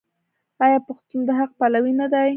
آیا پښتون د حق پلوی نه دی؟